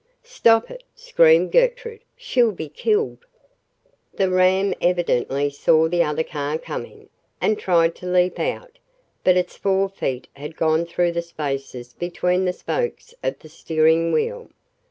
"Stop it!" screamed Gertrude. "She'll be killed." The ram evidently saw the other car coming, and tried to leap out, but its fore feet had gone through the spaces between the spokes of the steering wheel.